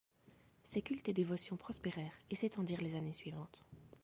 Ces culte et dévotion prospérèrent et s'étendirent les années suivantes.